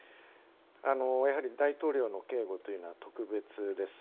やはり、大統領の警護というのは特別です。